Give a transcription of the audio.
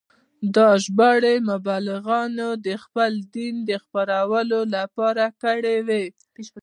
دا ژباړې مبلغانو د خپل دین د خپرولو لپاره کړې وې.